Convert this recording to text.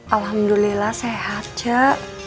alhamdulillah sehat cak